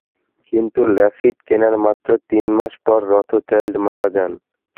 কিন্তু, ল্যাফিট কেনার মাত্র তিন মাস পর রথচাইল্ড মারা যান।